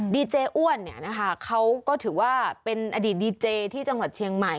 เจอ้วนเนี่ยนะคะเขาก็ถือว่าเป็นอดีตดีเจที่จังหวัดเชียงใหม่